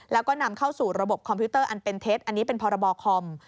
แล้วก็นำเข้าสู่ระบบคอมพิวเตอร์อันเป็นเท็จอันนี้เป็นพรบคอม